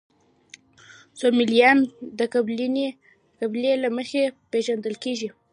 سومالیان د قبیلې له مخې پېژندل کېږي.